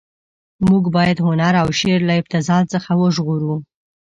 موږ باید هنر او شعر له ابتذال څخه وژغورو.